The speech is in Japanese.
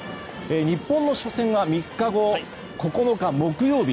日本の初戦は３日後９日木曜日。